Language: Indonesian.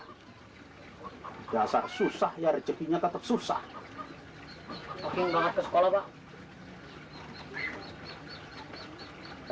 hai dasar susah ya rezekinya tetap susah hai mungkin banget ke sekolah pak